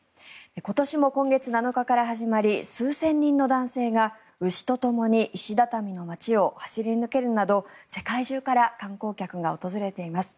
今年も今月７日から始まり数千人の男性が牛とともに石畳の街を走り抜けるなど世界中から観光客が訪れています。